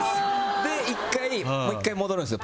で、もう１回戻るんですよ。